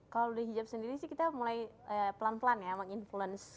kalau di hijab sendiri sih kita mulai pelan pelan ya menginfluence